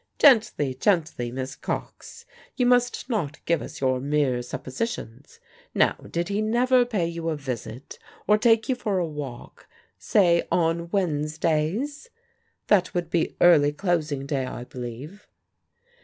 "Gently, gently, Miss Cox! You must not give us your mere suppositions. Now, did he never pay you a visit, or take you for a walk, say on Wednesdays? That would be early closing day, I believe."